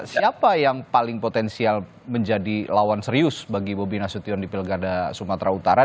siapa yang paling potensial menjadi lawan serius bagi bobi nasution di pilkada sumatera utara